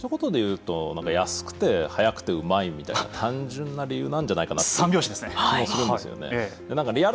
ひと言でいうと安くて早くてうまいみたいな単純な理由なんじゃないかな三拍子ですね。